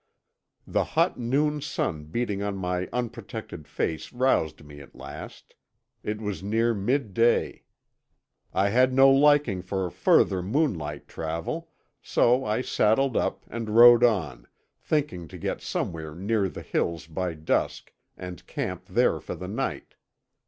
The hot noon sun beating on my unprotected face roused me at last. It was near midday. I had no liking for further moonlight travel, so I saddled up and rode on, thinking to get somewhere near the Hills by dusk, and camp there for the night.